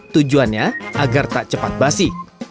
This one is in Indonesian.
tujuannya agar tak cepat basi